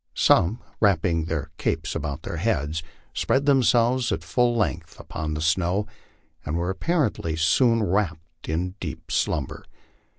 Some, wrapping their capes about their heads, spread themselves at full length upon the snow and were apparently soon wrapt in deep slumber.